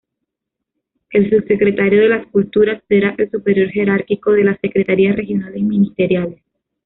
El Subsecretario de las Culturas será el superior jerárquico de las secretarías regionales ministeriales.